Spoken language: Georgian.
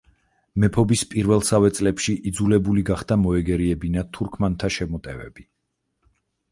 მეფობის პირველსავე წლებში იძულებული გახდა მოეგერიებინა თურქმანთა შემოტევები.